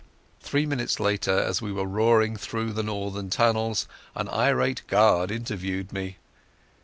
Three minutes later, as we were roaring through the northern tunnels, an irate guard interviewed me.